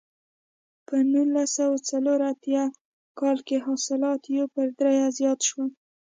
په نولس سوه څلور اتیا کال کې حاصلات یو پر درې زیات شول.